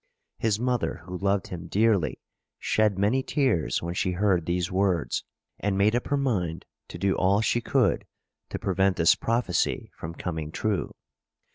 His mother, who loved him dearly, shed many tears when she heard these words, and made up her mind to do all she could to prevent this prophecy from coming true.